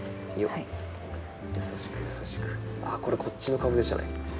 あっこれこっちの株でしたね。